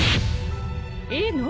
いいの？